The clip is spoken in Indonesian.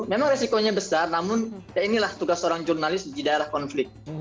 memang resikonya besar namun ya inilah tugas seorang jurnalis di daerah konflik